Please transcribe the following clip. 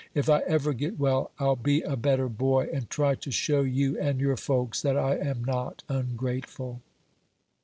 If I ever get well, I'll be a better boy, and try to show you and your folks that I am not ungrateful."